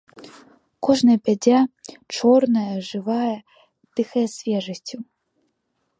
Кожная пядзя, чорная, жывая, дыхае свежасцю.